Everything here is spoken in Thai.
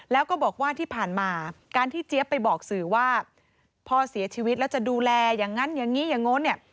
แล้วก็บอกว่าที่ผ่านมาการที่เจี๊ยบไปบอกสื่อว่าพ่อเสียชีวิตแล้วจะดูแลอย่างนั้นอย่างนี้อย่างโน้นเนี่ย